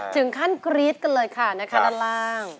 ถึงขั้นกรี๊ดกันเลยค่ะนะคะด้านล่าง